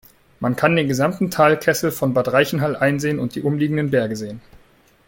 Man kann den gesamten Talkessel von Bad Reichenhall einsehen und die umliegenden Berge sehen.